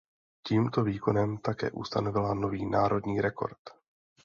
Tímto výkonem také ustanovila nový národní rekord.